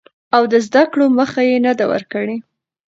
او د زده کړو مخه يې نه ده ورکړې.